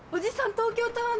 東京タワー。